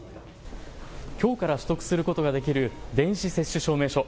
きょうから取得することができる電子接種証明書。